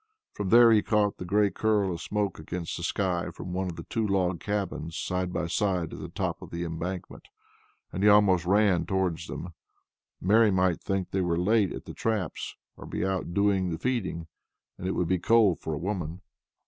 From there he caught the gray curl of smoke against the sky from one of two log cabins side by side at the top of the embankment, and he almost ran toward them. Mary might think they were late at the traps, and be out doing the feeding, and it would be cold for a woman.